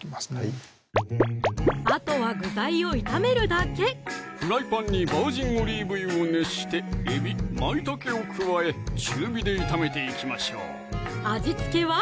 はいあとは具材を炒めるだけフライパンにバージンオリーブ油を熱してえび・まいたけを加え中火で炒めていきましょう味付けは？